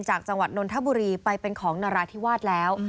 จากจังหวัดนนทบุรีไปเป็นของนราธิวาสแล้ว